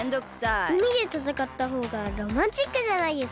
うみでたたかったほうがロマンチックじゃないですか？